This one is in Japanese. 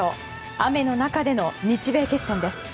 雨の中での日米決戦です。